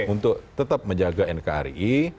untuk tetap menjaga nkri